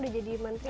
udah jadi menteri